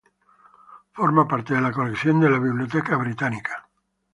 Forma parte de la colección de la Biblioteca Británica.